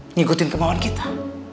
ngikutin kemauan kita